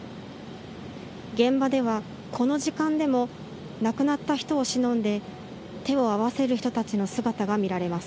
現場ではこの時間でも亡くなった人をしのんで手を合わせる人たちの姿が見られます。